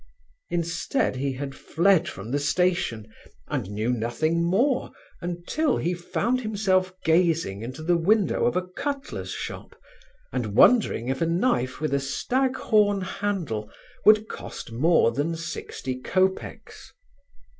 Instead he had fled from the station, and knew nothing more, until he found himself gazing into the window of a cutler's shop, and wondering if a knife with a staghorn handle would cost more than sixty copecks.